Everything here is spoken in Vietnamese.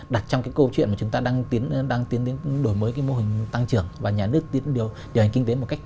đặt trong cái câu chuyện mà chúng ta đang tiến đến đổi mới cái mô hình tăng trưởng và nhà nước tiến điều hành kinh tế một cách